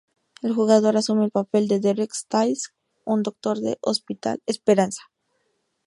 El jugador asume el papel de Derek Stiles, un doctor del Hospital Esperanza.